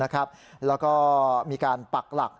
แล้วก็มีการปักหลัก